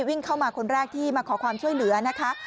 วิ่งเข้ามาคนแรกที่มาขอความช่วยเหลือนะคะ